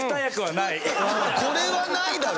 これはないだろ！